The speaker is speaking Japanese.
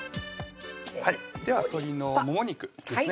はいでは鶏のもも肉ですね